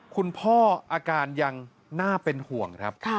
คุณพ่ออาการยังน่าเป็นห่วงครับ